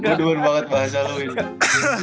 gue duan banget bahasa lu ini